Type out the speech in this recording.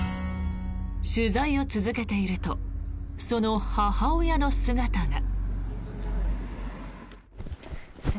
取材を続けているとその母親の姿が。